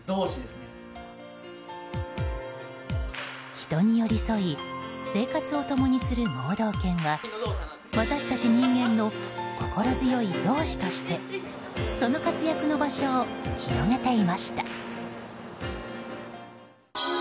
人に寄り添い生活を共にする盲導犬は私たち人間の心強い同志としてその活躍の場所を広げていました。